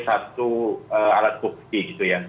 satu alat bukti gitu ya